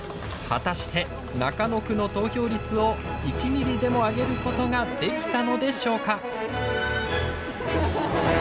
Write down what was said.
果たして中野区の投票率を１ミリでも上げることができたのでしょうか？